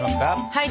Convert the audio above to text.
はい。